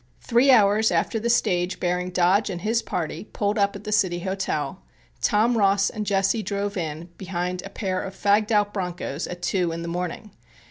Three hours after the stage bearing Dodge and his party pulled up at the City Hotel, Tom Ross and Jesse drove in behind a pair of fagged out broncos at two in the morning.